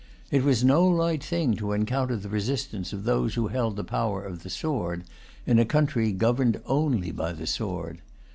It was no light thing to encounter the resistance of those who held the power of the sword, in a country governed only by the sword.